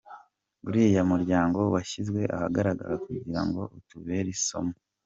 Uriya muryango washyizwe ahagaragara kugirango utubere isomo.